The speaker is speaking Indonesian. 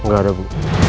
gak ada bu